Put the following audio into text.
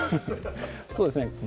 そうですね